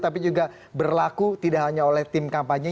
tapi juga berlaku tidak hanya oleh tim kampanye